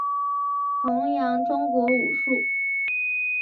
宏杨中国武术。